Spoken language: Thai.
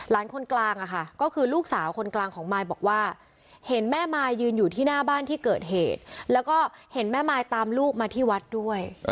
คนกลางค่ะก็คือลูกสาวคนกลางของมายบอกว่าเห็นแม่มายยืนอยู่ที่หน้าบ้านที่เกิดเหตุแล้วก็เห็นแม่มายตามลูกมาที่วัดด้วย